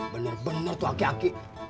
bener bener tuh aki aki